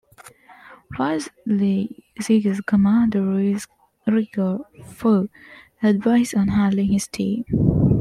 Wesley seeks Commander Riker for advice on handling his team.